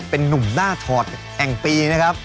เป็นนุ่มหน้าถอดแห่งปีนะครับ